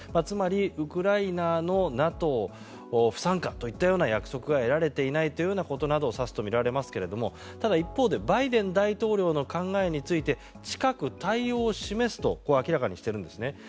つまりウクライナのＮＡＴＯ不参加といったような約束が得られていないというようなことを指すとみられますがただ一方でバイデン大統領の考えについて近く対応を示すと明らかにしているんですね。